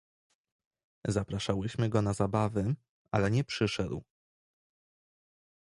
"Zapraszałyśmy go na zabawy, ale nie przyszedł."